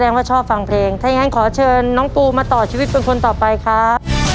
ว่าชอบฟังเพลงถ้าอย่างนั้นขอเชิญน้องปูมาต่อชีวิตเป็นคนต่อไปครับ